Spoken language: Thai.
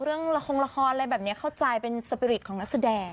เรื่องละครละครอะไรแบบนี้เข้าใจเป็นสปิริตของนักแสดง